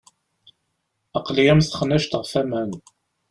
Aql-i am texnact ɣef waman.